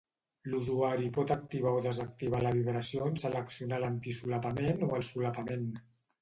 L'usuari pot activar o desactivar la vibració en seleccionar l'antisolapament o el solapament.